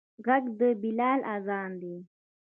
غږ د بلال اذان دی